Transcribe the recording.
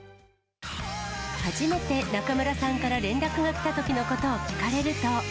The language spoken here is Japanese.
初めて中村さんから連絡が来たときのことを聞かれると。